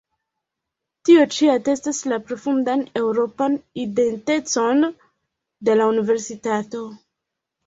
Tio ĉi atestas la profundan eŭropan identecon de la Universitato.